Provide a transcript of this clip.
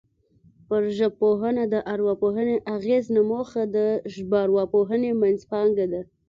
پر ژبپوهنه د ارواپوهنې اغېز نه موخه د ژبارواپوهنې منځپانګه ده